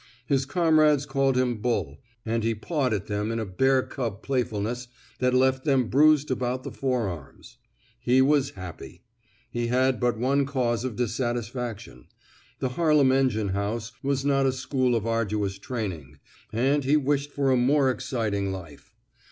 His comrades called him ^' Bull," and he pawed at them in a bear cub playfulness that left them bruised about the forearms. He was happy. He had but 149 r THE SMOKE EATEES one cause of dissatisfaction: the Harlem engine house was not a school of arduous training, and he wished a more exciting life.